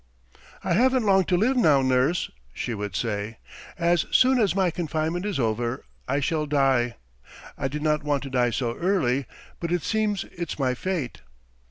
"'I haven't long to live now, nurse,' she would say. 'As soon as my confinement is over I shall die. I did not want to die so early, but it seems it's my fate.'